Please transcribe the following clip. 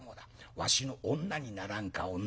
わしの女にならんか女に。